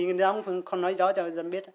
người ta cũng không nói rõ cho dân biết